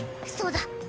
そうだ。